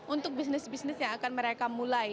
untuk bisnis bisnis yang akan mereka mulai